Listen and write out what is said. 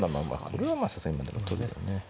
これはまあさすがにでも取るよね。